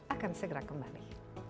akan segera kembali